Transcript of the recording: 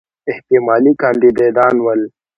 احتمالي کاندیدان ول.